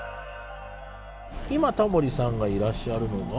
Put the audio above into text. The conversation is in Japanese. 今タモリさんがいらっしゃるのが。